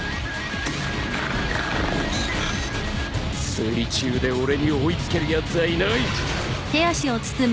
水中で俺に追いつけるやつはいない